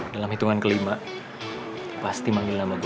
dalam hitungan kelima dia pasti manggil nama gue